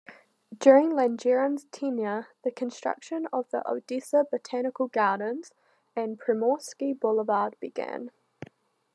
During Langeron's tenure, the construction of the Odessa Botanical Gardens and Primorsky Boulevard began.